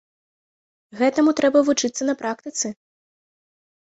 Гэтаму трэба вучыцца на практыцы.